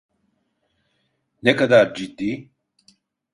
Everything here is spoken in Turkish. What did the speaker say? Ne kadar ciddi?